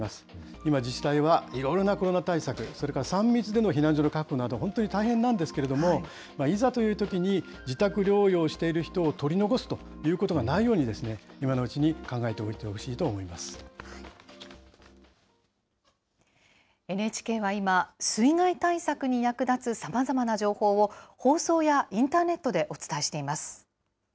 今、自治体はいろいろなコロナ対策、それから３密での避難所の確保など、本当に大変なんですけれども、いざというときに自宅療養している人を取り残すということがないように、今のうちに考えてＮＨＫは今、水害対策に役立つさまざまな情報を、放送やインターネットでお伝えしています。